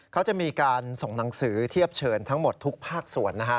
เขาจะมีการส่งหนังสือเทียบเชิญทั้งหมดทุกภาคส่วนนะฮะ